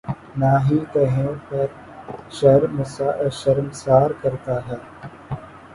نہ ہی کہیں پر شرمسار کرتا ہے۔